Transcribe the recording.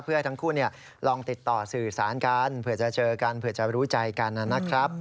เพื่อให้ทั้งคู่ลองติดต่อสื่อสารกันเผื่อจะเจอกันเผื่อจะรู้ใจกันนะครับ